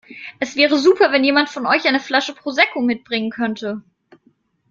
Es wäre super wenn jemand von euch eine Flasche Prosecco mitbringen könnte.